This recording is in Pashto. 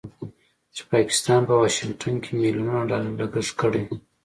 چې پاکستان په واشنګټن کې مليونونو ډالر لګښت کړی